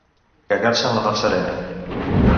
Cagar-se en la mar serena.